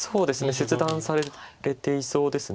切断されていそうです。